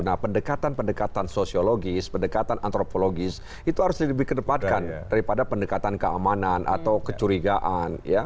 nah pendekatan pendekatan sosiologis pendekatan antropologis itu harus lebih dikedepankan daripada pendekatan keamanan atau kecurigaan